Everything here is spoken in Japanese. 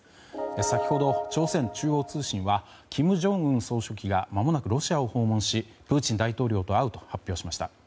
先ほど朝鮮中央通信は金正恩総書記がまもなくロシアを訪問しプーチン大統領と会うと発表しました。